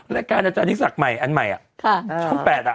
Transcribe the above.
รายการอาจารย์ยิ่งศักดิ์ใหม่อันใหม่อ่ะค่ะชั่วแปดอ่ะ